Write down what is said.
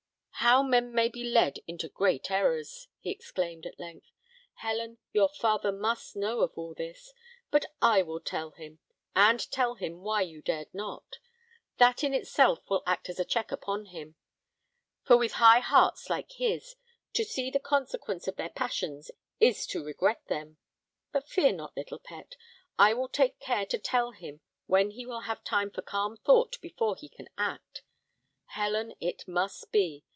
"How men may be led into great errors!" he exclaimed at length. "Helen, your father must know of all this; but I will tell him, and tell him why you dared not. That in itself will act as a check upon him; for with high hearts like his, to see the consequences of their passions is to regret them. But fear not, little pet, I will take care to tell him when he will have time for calm thought before he can act. Helen, it must be!